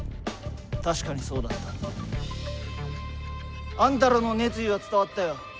確かにそうだった。あんたらの熱意は伝わったよ。